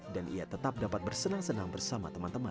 dan ia tetap dapat bersenang senang bersama teman teman